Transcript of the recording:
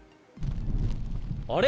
あれ？